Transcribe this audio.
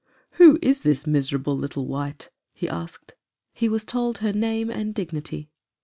" Who is the miserable little wight ?" he asked. He was told her name and dignity.